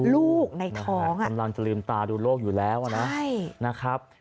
ลูกในท้องอ่ะตำรวจจะลืมตาดูโรคอยู่แล้วนะใช่